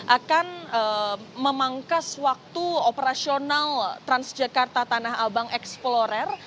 akan memangkas waktu operasional transjakarta tanah abang explorer